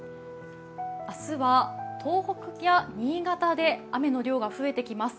明日は東北や新潟で雨の量が増えてきます。